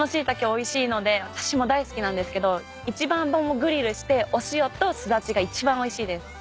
おいしいので私も大好きなんですけどグリルしてお塩とスダチが一番おいしいです。